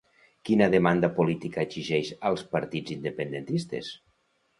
Quina demanda política exigeix als partits independentistes?